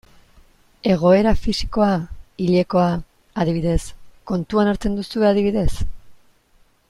Egoera fisikoa, hilekoa, adibidez, kontuan hartzen duzue adibidez?